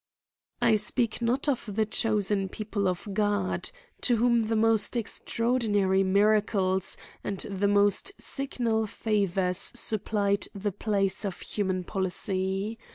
I speak not of the chosen people of God, to whom the most extra ordinary miracles and the most signal favours supplied the place of human policy.